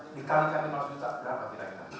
dikali kali lima ratus juta berapa kita ingat